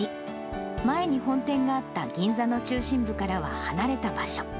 前に本店があった銀座の中心部からは離れた場所。